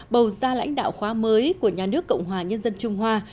bầu ra lãnh đạo khóa mới của nhà nước cộng hòa nhân dân trung hoa